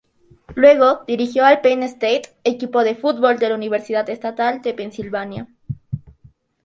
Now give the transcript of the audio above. Luego, dirigió al Penn State, equipo de fútbol de la universidad estatal de Pensilvania.